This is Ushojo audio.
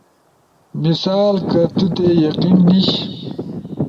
مثال، کہ تو تے یقین نیِش؟